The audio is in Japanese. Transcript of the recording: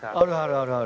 あるある。